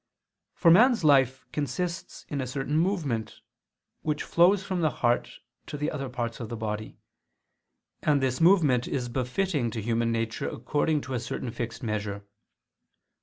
For man's life consists in a certain movement, which flows from the heart to the other parts of the body: and this movement is befitting to human nature according to a certain fixed measure.